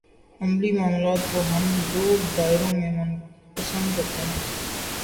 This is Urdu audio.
عملی معاملات کو ہم دو دائروں میں منقسم کرتے ہیں۔